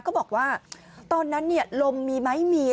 ก็บอกว่าตอนนั้นเนี่ยลมมีไม้มี